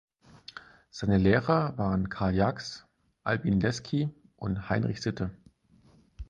Seine Lehrer waren Karl Jax, Albin Lesky und Heinrich Sitte.